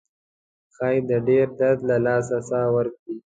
ښایي د ډیر درد له لاسه ساه ورکړي.